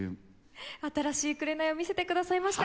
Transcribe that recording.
新しい『紅』を見せてくださいました。